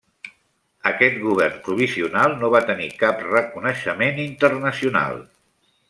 Aquest Govern Provisional no va tenir cap reconeixement internacional.